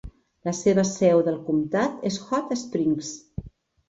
La seva seu del comtat és Hot Springs.